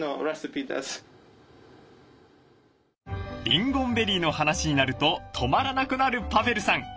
リンゴンベリーの話になると止まらなくなるパヴェルさん。